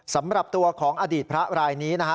สำหรับตัวของอดีตพระรายนี้นะฮะ